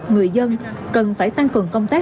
người dân cần phải tăng cường công tác